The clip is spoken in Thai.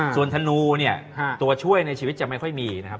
ส่วนธนูเนี่ยตัวช่วยในชีวิตจะไม่ค่อยมีนะครับ